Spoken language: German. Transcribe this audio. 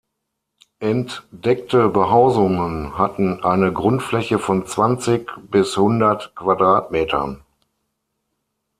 Entdeckte Behausungen hatten eine Grundfläche von zwanzig bis hundert Quadratmetern.